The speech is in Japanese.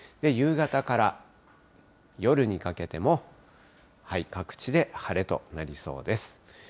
夕方から夜にかけても、各地で晴れとなりそうです。